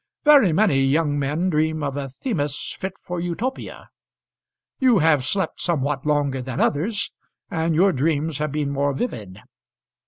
Very many young men dream of a Themis fit for Utopia. You have slept somewhat longer than others, and your dreams have been more vivid."